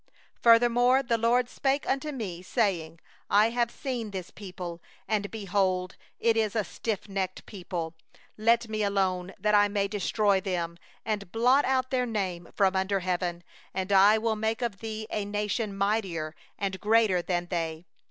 13Furthermore the LORD spoke unto me, saying: 'I have seen this people, and, behold, it is a stiffnecked people; 14let Me alone, that I may destroy them, and blot out their name from under heaven; and I will make of thee a nation mightier and greater than they.